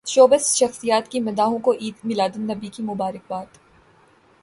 showbiz شخصیات کی مداحوں کو عید میلاد النبی کی مبارکباد